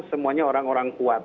semuanya orang orang kuat